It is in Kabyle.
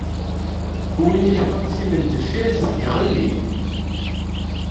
Win ileḥḥun timendeffirt, iɣelli.